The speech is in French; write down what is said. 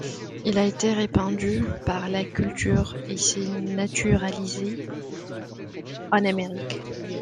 Il a été répandu par la culture et s'est naturalisé en Amérique.